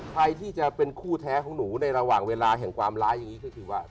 ใครที่จะเป็นคู่แท้ของหนูในระหว่างเวลาแห่งความร้ายอย่างนี้ก็คือว่า